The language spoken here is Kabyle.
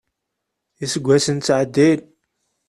Iseggasen ttɛeddin.